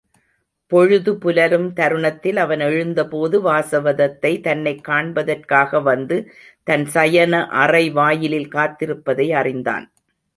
பொழுது புலரும் தருணத்தில் அவன் எழுந்தபோது, வாசவதத்தை தன்னைக் காண்பதற்காக வந்து தன் சயன அறைவாயிலில் காத்திருப்பதை அறிந்தான்.